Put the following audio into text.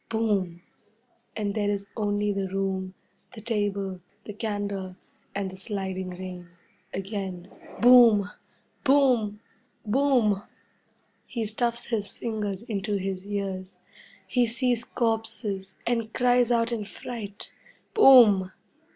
Boom! And there is only the room, the table, the candle, and the sliding rain. Again, Boom! Boom! Boom! He stuffs his fingers into his ears. He sees corpses, and cries out in fright. Boom!